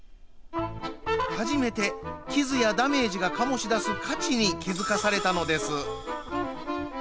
初めて傷やダメージが醸し出す価値に気付かされたのです。